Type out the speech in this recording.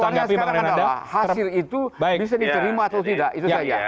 pertanyaannya sekarang adalah hasil itu bisa diterima atau tidak itu saja